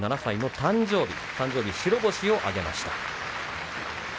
誕生日、白星を挙げました。